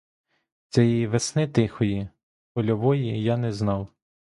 Цієї весни тихої, польової я не знав.